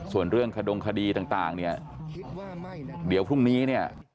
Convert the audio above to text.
ส่วนเรื่องขดงคดีต่างเนี่ยเดี๋ยวพรุ่งนี้เนี่ย